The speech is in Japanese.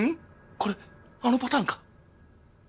これあのパターンか！？